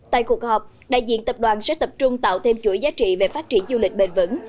tại cuộc họp đại diện tập đoàn sẽ tập trung tạo thêm chuỗi giá trị về phát triển du lịch bền vững